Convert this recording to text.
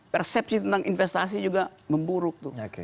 persepsi tentang investasi juga memburuk tuh